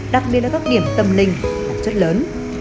đặc biệt ở các điểm tâm linh vật chất lớn